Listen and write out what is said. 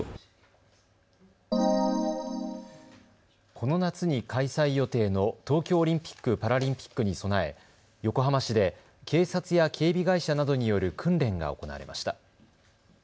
この夏に開催予定の東京オリンピック・パラリンピックに備え横浜市で警察や警備会社などによる訓練が行われました。